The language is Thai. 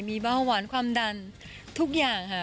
มีเบาหวานความดันทุกอย่างค่ะ